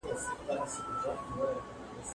ښکلي که ډير وي خدای دې ډير کړي